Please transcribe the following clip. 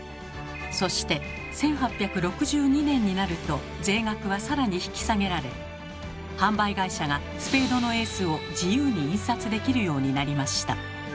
そして１８６２年になると税額はさらに引き下げられ販売会社がスペードのエースを自由に印刷できるようになりました。